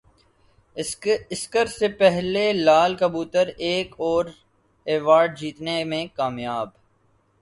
Oscar سے پہلے لال کبوتر ایک اور ایوارڈ جیتنے میں کامیاب